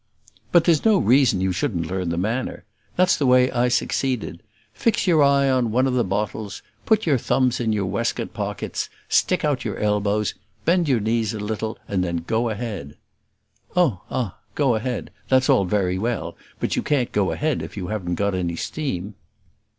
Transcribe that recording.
"But there's no reason you shouldn't learn the manner. That's the way I succeeded. Fix your eye on one of the bottles; put your thumbs in your waist coat pockets; stick out your elbows, bend your knees a little, and then go ahead." "Oh, ah! go ahead; that's all very well; but you can't go ahead if you haven't got any steam."